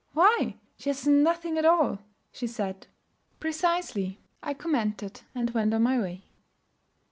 'Why, she has nothing at all,' she said. 'Precisely!' I commented, and went on my way.